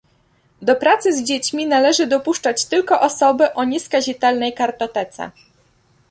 Do pracy z dziećmi należy dopuszczać tylko osoby o nieskazitelnej kartotece